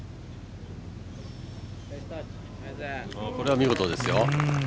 これは見事ですよ。